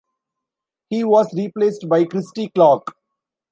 He was replaced by Christy Clark.